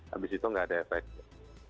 habis itu nggak ada efeknya